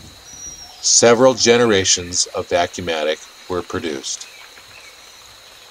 Several generations of Vacumatic were produced.